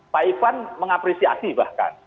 pak ivan mengapresiasi bahkan